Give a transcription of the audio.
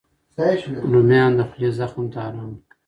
رومیان د خولې زخم ته ارام ورکوي